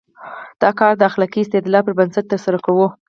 دا کار د اخلاقي استدلال پر بنسټ ترسره کوو.